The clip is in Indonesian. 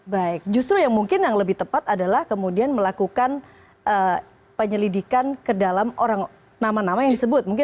baik justru yang mungkin yang lebih tepat adalah kemudian melakukan penyelidikan ke dalam orang nama nama yang disebut mungkin